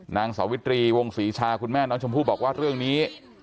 นางสาวิตรีวงศรีชาคุณแม่น้องชมพู่บอกว่าเรื่องนี้